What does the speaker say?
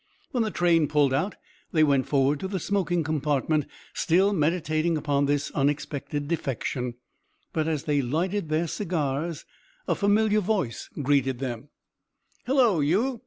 When the train pulled out, they went forward to the smoking compartment, still meditating upon this unexpected defection; but as they lighted their cigars, a familiar voice greeted them: "Hello, you!"